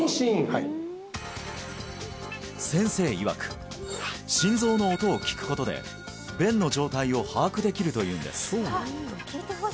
はい先生いわく心臓の音をきくことで弁の状態を把握できるというんです